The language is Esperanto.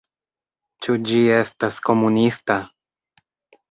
Ĉu ĝi estas komunista?